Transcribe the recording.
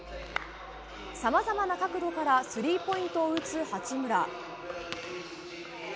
さまざまな角度からスリーポイントを打つ八村。